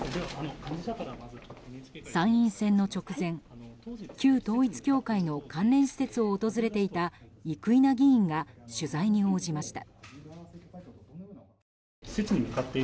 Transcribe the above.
参院選の直前、旧統一教会の関連施設を訪れていた生稲議員が取材に応じました。